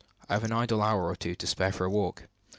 I have an idle hour or two to spare for a walk.